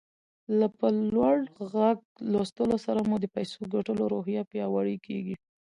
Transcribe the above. له په لوړ غږ لوستلو سره مو د پيسو ګټلو روحيه پياوړې کېږي.